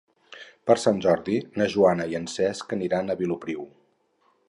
Per Sant Jordi na Joana i en Cesc aniran a Vilopriu.